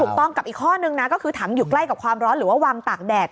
กับอีกข้อนึงนะก็คือถังอยู่ใกล้กับความร้อนหรือว่าวางตากแดด